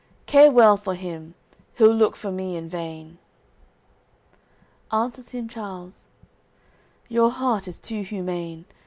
Care well for him; he'll look for me in vain." Answers him Charles: "Your heart is too humane.